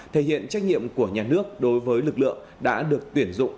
thể hiện trách nhiệm của nhà nước đối với lực lượng đã được tuyển dụng